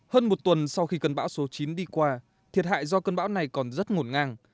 hơn một tuần sau khi cơn bão số chín đi qua thiệt hại do cơn bão này còn rất ngổn ngang